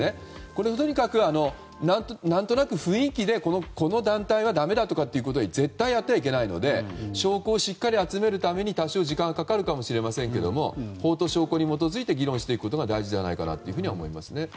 これは何となく雰囲気でこの団体はだめだとかは絶対やってはいけないので証拠をしっかり集めるために多少、時間はかかるかもしれませんが法と証拠に基づいて議論することが大事だと思いますね。